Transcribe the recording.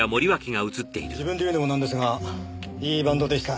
自分で言うのもなんですがいいバンドでした。